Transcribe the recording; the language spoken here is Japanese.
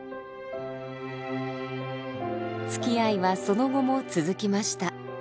つきあいはその後も続きました。